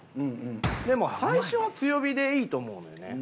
でも最初は強火でいいと思うのよね。